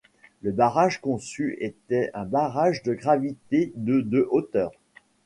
Le barrage conçu était un barrage de gravité de de hauteur.